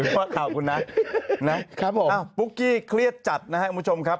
ปุ๊กกี้เครียดจัดนะครับผู้ชมครับ